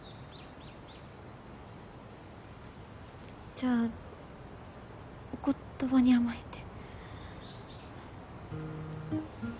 じゃあお言葉に甘えて。